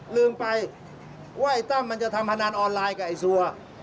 ลืมไปว่าไอ้ตั้มมันจะทำพนันออนไลน์กับไอ้ซัว